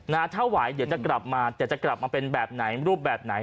ถ้าไหวเดี๋ยวจะกลับมาแต่จะกลับมาเป็นแบบไหนรูปแบบไหน